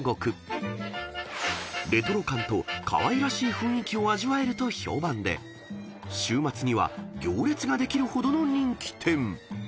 ［レトロ感とかわいらしい雰囲気を味わえると評判で週末には行列ができるほどの人気店］